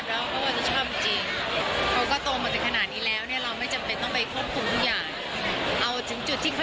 เพราะว่าเขาโตแล้วแล้วก็กลายเขาก็ไม่ใช่คนที่เจ้าชู้นะคะ